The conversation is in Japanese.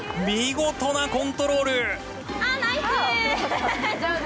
見事なコントロール！